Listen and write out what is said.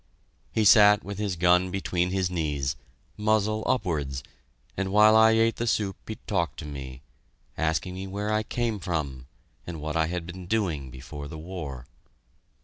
He sat with his gun between his knees, muzzle upwards, and while I ate the soup he talked to me, asking me where I came from, and what I had been doing before the war.